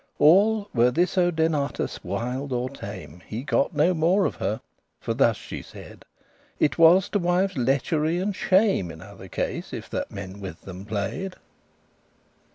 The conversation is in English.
All* were this Odenatus wild or tame, *whether He got no more of her; for thus she said, It was to wives lechery and shame In other case* if that men with them play'd.